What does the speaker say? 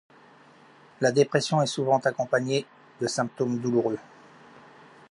La dépression est souvent accompagnée de symptômes douloureux.